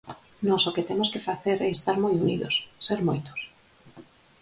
Nós o que temos que facer é estar moi unidos, ser moitos.